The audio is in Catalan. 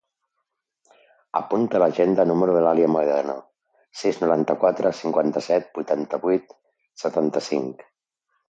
Apunta a l'agenda el número de l'Alia Mohedano: sis, noranta-quatre, cinquanta-set, vuitanta-vuit, setanta-cinc.